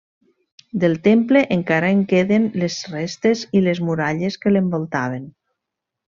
Del temple encara en queden les restes i les muralles que l'envoltaven.